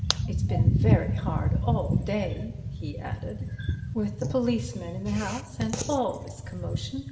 It's been very hard all day," he added, "with the policemen in the house and all this commotion.